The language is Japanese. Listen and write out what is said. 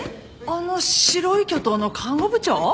あの白い巨塔の看護部長！？